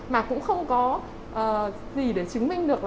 mà cũng không có gì để chứng minh được